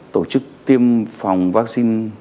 tổ chức tiêm phòng vaccine